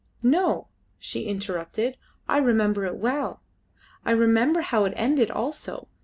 "No," she interrupted, "I remember it well. I remember how it ended also.